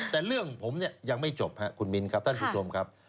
แต่เรื่องผมเนี่ยยังไม่จบครับคุณมิ้นครับท่านผู้ชมครับ